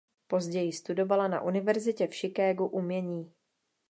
Později studovala na univerzitě v Chicagu umění.